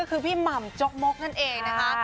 ก็คือพี่หม่ำจกมกนั่นเองนะคะ